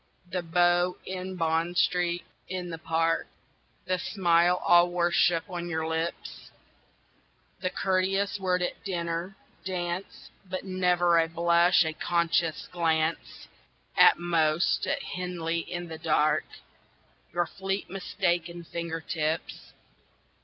The bow in Bond Street in the Park The smile all worship on your lips, The courteous word at dinner dance But never a blush a conscious glance; At most, at Henley, in the dark, Your fleet mistaken finger tips?